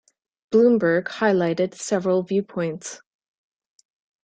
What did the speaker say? "Bloomberg" highlighted several viewpoints.